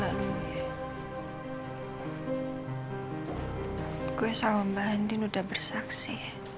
lo leleh postachit membersihkan balon awasi